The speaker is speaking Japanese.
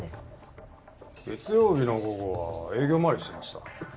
月曜日の午後は営業回りをしていました。